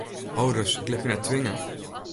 Ho ris, ik lit my net twinge!